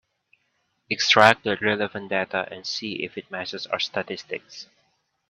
Extract the relevant data and see if it matches our statistics.